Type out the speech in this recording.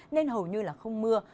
nên hầu như là không mưa